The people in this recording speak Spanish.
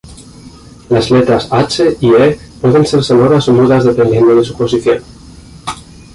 Las letras h y e pueden ser sonoras o mudas dependiendo de su posición.